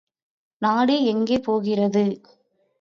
நாடு எங்கே போகிறது?